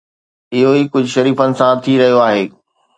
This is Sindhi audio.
اهو ئي ڪجهه شريفن سان ٿي رهيو آهي.